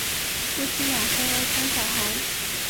夫妇俩生了三个小孩。